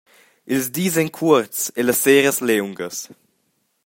Ils dis ein cuorts e las seras liungas.